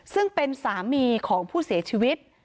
ซึ่งเป็นสามีของผู้เสียชีวิต